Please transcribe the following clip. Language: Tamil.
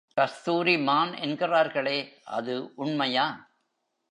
கஸ்தூரி மான் என்கிறார்களே, அது உண்மையா?